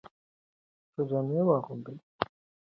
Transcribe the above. ښه جامې واغوندئ.